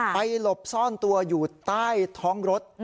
หลบซ่อนตัวอยู่ใต้ท้องรถ